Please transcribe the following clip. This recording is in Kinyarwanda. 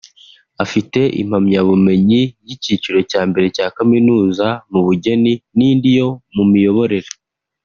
Afite impamyabumenyi y’icyiciro cya mbere cya kaminuza mu bugeni n’indi yo mu miyoborere